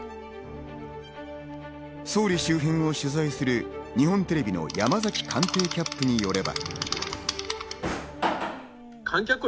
総理周辺を取材する日本テレビの山崎官邸キャップによれば。